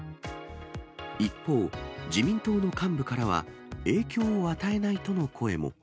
一方、自民党の幹部からは、影響を与えないとの声も。